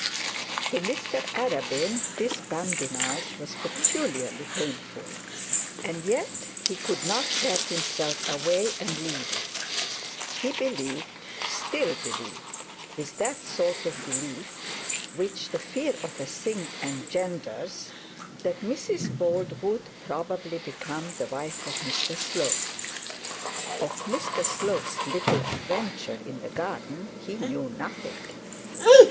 To Mr Arabin this badinage was peculiarly painful; and yet he could not tear himself away and leave it. He believed, still believed with that sort of belief which the fear of a thing engenders, that Mrs Bold would probably become the wife of Mr Slope. Of Mr Slope's little adventure in the garden he knew nothing.